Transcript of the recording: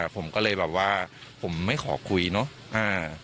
ผมก็เลยแบบว่าผมไม่ขอคุยเนอะ